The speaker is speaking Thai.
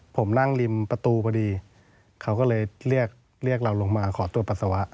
ผมนั่งริมประตูพอดีเขาก็เลยเรียกเรียกเราลงมาขอตรวจปัสสาวะ